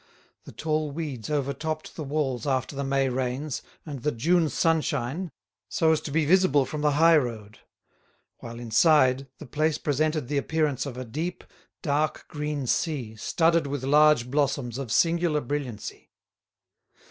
The tall weeds overtopped the walls after the May rains and the June sunshine so as to be visible from the high road; while inside, the place presented the appearance of a deep, dark green sea studded with large blossoms of singular brilliancy.